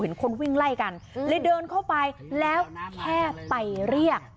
คนวิ่งไล่กันเลยเดินเข้าไปแล้วแค่ไปเรียก